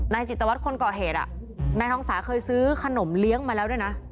จิตวัตรคนก่อเหตุนายทองสาเคยซื้อขนมเลี้ยงมาแล้วด้วยนะ